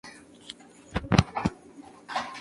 Mehr es el primero de los tres meses de otoño.